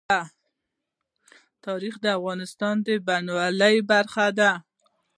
تاریخ د افغانستان د بڼوالۍ برخه ده.